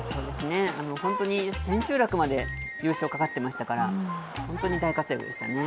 本当に千秋楽まで優勝かかってましたから、本当に大活躍でし